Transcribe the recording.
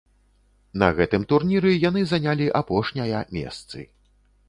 На гэтым турніры яны занялі апошняя месца.